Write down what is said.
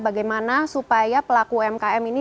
bagaimana supaya pelaku umkm ini